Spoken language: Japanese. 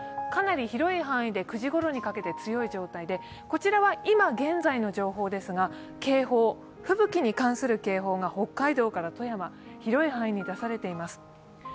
かなり広い範囲で９時ごろにかけて強い状態でこちらは今、現在の情報ですが、警報、吹雪に関する警報が北海道から富山、広い範囲に出されています。